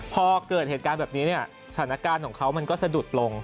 พอเกิดเหตุการณ์แบบนี้เนี่ยสถานการณ์ของเขามันก็สะดุดลง